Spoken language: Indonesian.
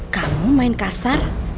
kamu main kasar